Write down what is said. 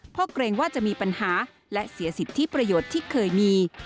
เพราะเกรงว่าจะมีปัญหาและเสียสิทธิประโยชน์ที่เคยมี